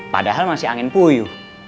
padahal masih angin puyuh